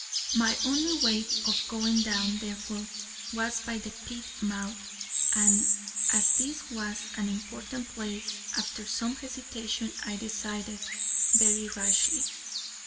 My only way of going down, therefore, was by the pit mouth, and as this was an important place, after some hesitation I decided, very rashly.